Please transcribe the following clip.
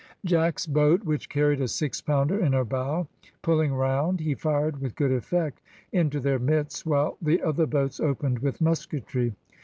Jack's boat, which carried a six pounder in her bow, pulling round, he fired with good effect into their midst, while the other boats opened with musketry.